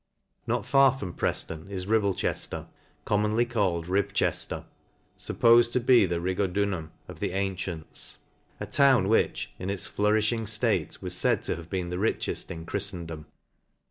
Not far from Prejlon is Ribblechejler, commonly called Ribchejler, fuppofed to be the Rigodunum of the antients ; a town which, in its flouriming ftate, was faid to be the rich eft in Chriftendom.